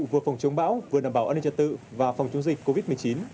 vừa phòng chống bão vừa đảm bảo an ninh trật tự và phòng chống dịch covid một mươi chín